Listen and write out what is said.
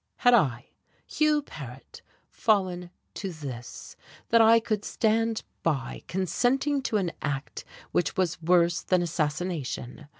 Had I, Hugh Paret, fallen to this, that I could stand by consenting to an act which was worse than assassination?